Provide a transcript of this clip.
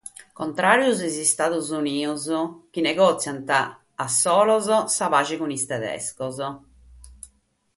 Contràrios sos Istados Unidos chi negotzieint a banda sa paghe cun sos tedescos.